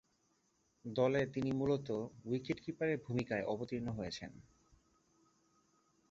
দলে তিনি মূলতঃ উইকেট-কিপারের ভূমিকায় অবতীর্ণ হয়েছেন।